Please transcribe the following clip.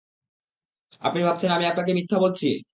আপনি ভাবছেন, আমি আপনাকে মিথ্যা বলছি?